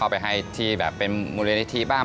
เข้าไปให้ที่แบบเป็นมูลเรียนอิทธิบ้าง